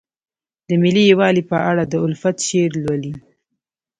د ملي یووالي په اړه د الفت شعر لولئ.